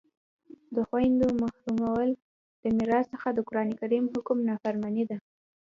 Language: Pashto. د خویندو محرومول د میراث څخه د قرآن د حکم نافرماني ده